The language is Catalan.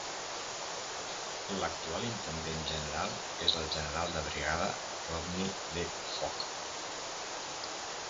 L'actual Intendent General és el general de brigada Rodney D. Fogg.